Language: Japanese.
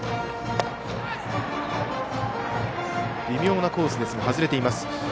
微妙なコースですが外れています。